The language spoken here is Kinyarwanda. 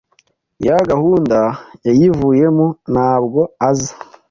Ya gahunda yayivuyemo.ntabwo aza